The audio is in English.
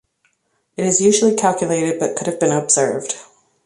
It is usually calculated but could have been observed.